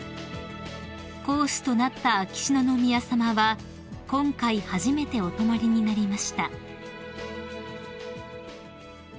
［皇嗣となった秋篠宮さまは今回初めてお泊まりになりました］